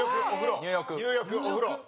入浴お風呂。